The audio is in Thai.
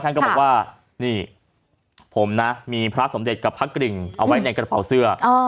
ก็บอกว่านี่ผมนะมีพระสมเด็จกับพระกริ่งเอาไว้ในกระเป๋าเสื้อ